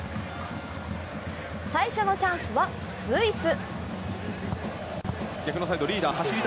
最初のチャンスはスイス。